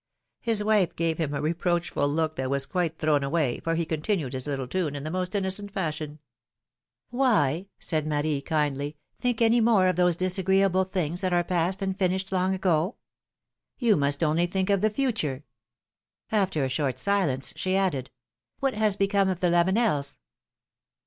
His wife gave him a reproach ful look, that was quite thrown away, for he continued his little tune in the most innocent fashion. Why,^^ said Marie, kindly, think any more of those disagreeable things, that are passed and finished long ago ? You must only think of the future.^^ After a short silence, she added : What has become of the Lavenels